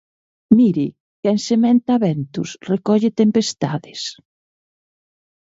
Mire, quen sementa ventos, recolle tempestades.